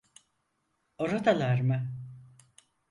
Oradalar mı?